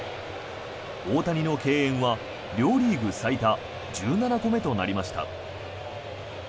大谷の敬遠は両リーグ最多１７個目となりました。